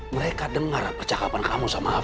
mereka dengar percakapan kamu sama apa